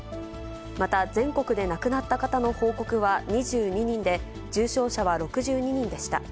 また、全国で亡くなった方の報告は２２人で、重症者は６２人でした。